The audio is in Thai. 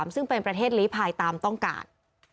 ซึ่งเป็นประเทศลีภัยตามต้องการ